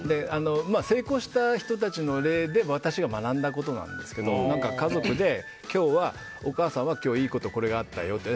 成功した人たちの例で私が学んだことなんですけど家族で今日はお母さんはいいこと、これがあったよって。